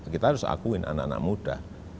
kita harus akuin anak anak muda